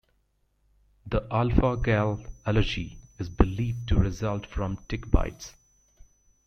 The alpha-gal allergy is believed to result from tick bites.